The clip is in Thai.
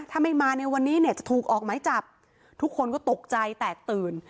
ถ้าไม่มาในวันนี้เนี่ยจะถูกออกหมายจับทุกคนก็ตกใจแตกตื่น